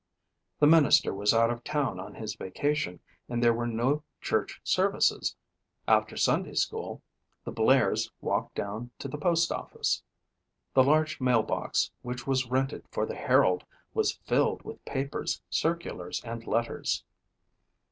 The minister was out of town on his vacation and there were no church services. After Sunday school the Blairs walked down to the postoffice. The large mail box which was rented for the Herald was filled with papers, circulars and letters.